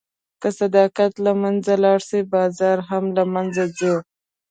که صداقت له منځه لاړ، بازار هم له منځه ځي.